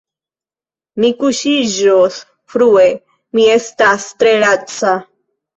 Mi kuŝiĝos frue, mi estas tre laca.